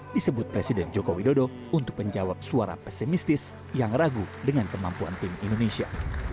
disebut presiden joko widodo untuk menjawab suara pesimistis yang ragu dengan kemampuan tim indonesia